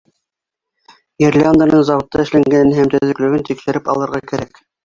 Гирлянданың заводта эшләнгәнен һәм төҙөклөгөн тикшереп алырға кәрәк.